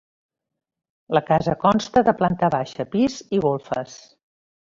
La casa consta de planta baixa, pis i golfes.